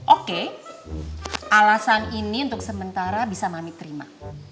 oke alasan ini untuk sementara bisa mami terima